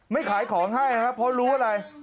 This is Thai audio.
ขายของให้ครับเพราะรู้อะไร